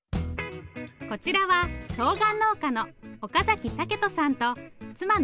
こちらはとうがん農家の岡武人さんと妻の美保さん。